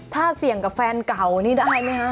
ถ้าเสี่ยงกับแฟนเก่านี่ได้ไหมฮะ